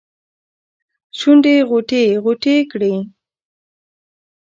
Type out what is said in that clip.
شونډې غوټې ، غوټې کړي